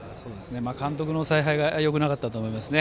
監督の采配がよくなかったと思いますね。